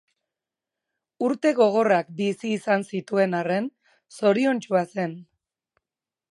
Urte gogorrak bizi izan zituen arren, zoriontsua zen.